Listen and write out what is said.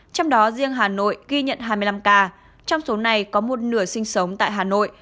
trong đó riêng hà nội ghi nhận hai mươi năm ca trong số này có một nửa sinh sống tại hà nội